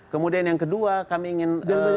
kemudian yang kedua kami ingin